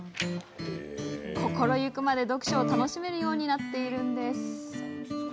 心行くまで読書を楽しめるようになっているんです。